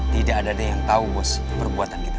tidak ada yang tahu bos perbuatan kita